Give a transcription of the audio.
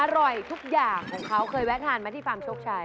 อร่อยทุกอย่างของเขาเคยแวะทานไหมที่ฟาร์มโชคชัย